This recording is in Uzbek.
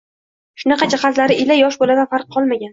shunaqa jihatlari ila yosh boladan farqi qolmagan